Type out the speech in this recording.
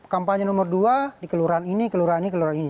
kampanye nomor dua di kelurahan ini kelurahan ini kelurahan ini